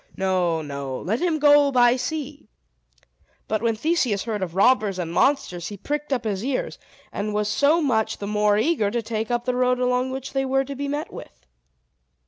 No, no; let him go by sea." But when Theseus heard of robbers and monsters, he pricked up his ears, and was so much the more eager to take the road along which they were to be met with.